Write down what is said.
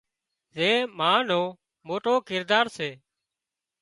زين ما نو موٽو ڪردار سي